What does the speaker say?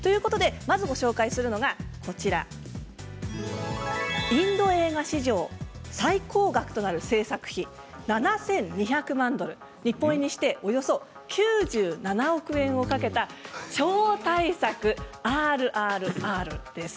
まずご紹介するのがインド映画史上、最高額となる製作費７２００万ドル日本円にしておよそ９７億円をかけた超大作「ＲＲＲ」です。